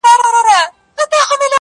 زه وايم راسه حوصله وكړو.